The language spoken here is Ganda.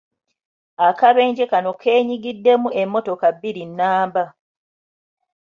Akabenje kano kenyigiddemu emmotoka bbiri nnamba.